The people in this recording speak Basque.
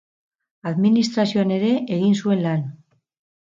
Administrazioan ere egin zuen lan.